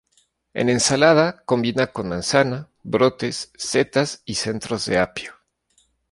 En ensalada, combina con manzana, brotes, setas y centros de apio.